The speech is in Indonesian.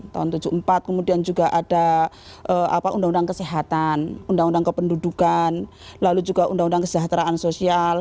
tahun seribu sembilan ratus tujuh puluh empat kemudian juga ada undang undang kesehatan undang undang kependudukan lalu juga undang undang kesejahteraan sosial